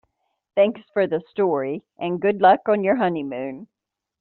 Thanks for the story and good luck on your honeymoon.